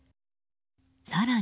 更に。